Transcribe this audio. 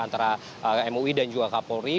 antara mui dan juga kapolri